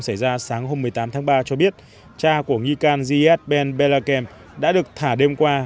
xảy ra sáng hôm một mươi tám tháng ba cho biết cha của nghi can gye ben belakem đã được thả đêm qua